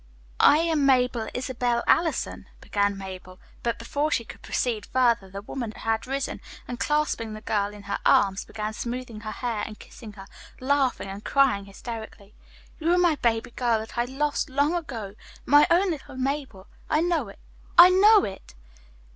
"I am Mabel Isabel Allison " began Mabel, but before she could proceed further the woman had risen, and clasping the girl in her arms, began smoothing her hair and kissing her, laughing and crying hysterically. "You are my baby girl that I lost long ago, my own little Mabel. I know it. I know it."